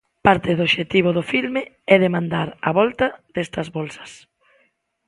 Parte do obxectivo do filme é demandar a volta destas bolsas.